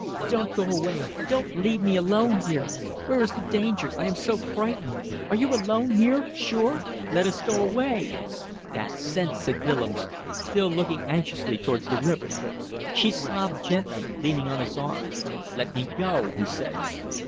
"Don't go away. Don't leave me alone here. Where is the danger? I am so frightened. ... Are you alone here? Sure? ... Let us go away!" "That's sense," said Willems, still looking anxiously towards the river. She sobbed gently, leaning on his arm. "Let me go," he said.